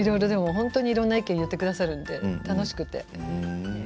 いろいろな意見を言ってくださるので楽しくて。